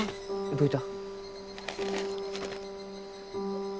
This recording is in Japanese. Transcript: どういた？